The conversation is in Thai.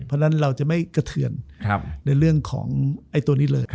เพราะฉะนั้นเราจะไม่กระเทือนในเรื่องของตัวนี้เลย